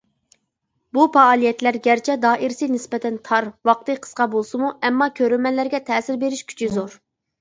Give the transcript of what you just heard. بۇ پائالىيەتلەر گەرچە دائىرىسى نىسبەتەن تار، ۋاقتى قىسقا بولسىمۇ، ئەمما كۆرۈرمەنلەرگە تەسىر بېرىش كۈچى زور.